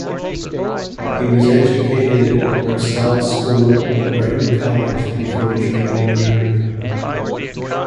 He was educated at Rossall School and Brighton College before joining the army.